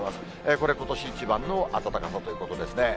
これ、ことし一番の暖かさということですね。